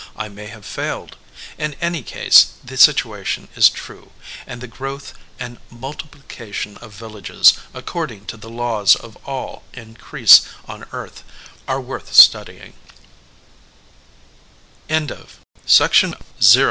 I may have failed. In any case the situation is true, and the growth and multiplica tion of villages, according to the laws of all in crease on earth, are worth s